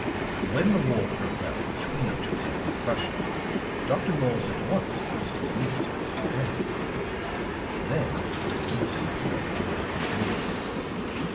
"When the war broke out between Japan and Russia, Dr. Morse at once placed his niece in safe hands; then he disappeared for more than a year.